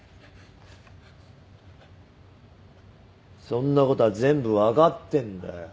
そんなことは全部分かってんだよ。